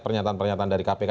pernyataan pernyataan dari kpk